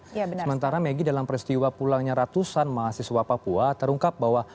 sementara megi dalam peristiwa pulangnya ratusan mahasiswa papua terungkap bahwa